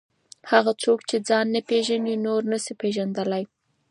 هغه څوک چې ځان نه پېژني نور نسي پېژندلی.